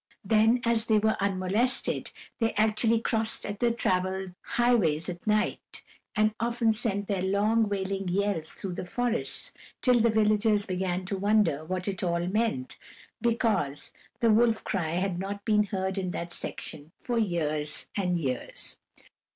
Then, as they were unmolested, they actually crossed the traveled highways at night, and often sent their long, wailing yells through the forests, until the villagers began to wonder what it all meant, because the wolf cry had not been heard in that section for years and years.